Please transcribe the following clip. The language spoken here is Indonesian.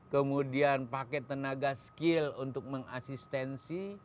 kemudian pakai tenaga skill untuk mengasistensi